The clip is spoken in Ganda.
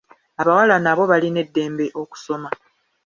Abawala nabo balina eddembe okusoma.